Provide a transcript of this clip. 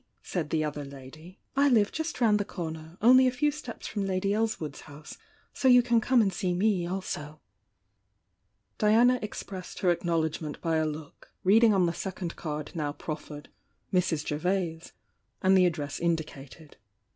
said the other lady— "I live just round the corner, — only a few steps from Lady Elswood's house, so you can come and see me also." Diana expressed her acknowledgment by a look, reading on the second card now proffered; "Mrs. Gervase," and the address indicated.